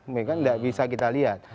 tidak bisa kita lihat